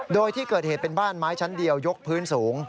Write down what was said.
โดยที่เกิดเหตุเป็นบ้านไม้ชั้นเดียวยกพื้นสูง